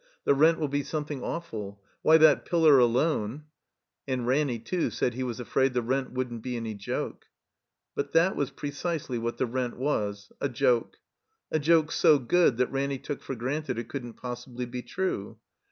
"The rent will be something awful — ^why, that pillar alone —" And Ranny, too, said he was afraid the rent wouldn't be any joke. But that was precisely what the rent was — a joke. A joke so good that Ranny took for granted it couldn't possibly be true.